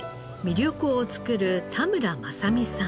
緑を作る田村昌美さん。